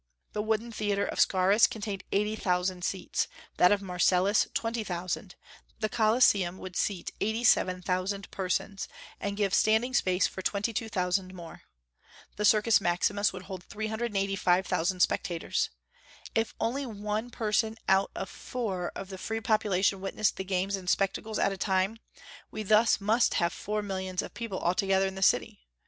The wooden theatre of Scaurus contained eighty thousand seats; that of Marcellus twenty thousand; the Colosseum would seat eighty seven thousand persons, and give standing space for twenty two thousand more. The Circus Maximus would hold three hundred and eighty five thousand spectators. If only one person out of four of the free population witnessed the games and spectacles at a time, we thus must have four millions of people altogether in the city.